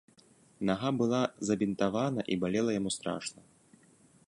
Нага была забінтавана і балела яму страшна.